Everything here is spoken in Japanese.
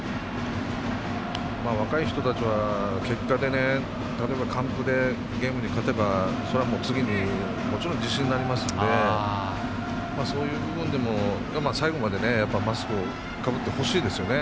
若い人たちは結果でゲームに勝てばそれは次にもちろん自信になりますのでそういう部分でも最後までマスクをかぶってほしいですよね。